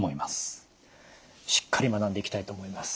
しっかり学んでいきたいと思います。